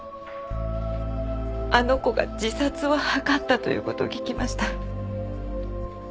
あの子が自殺を図ったという事を聞きました。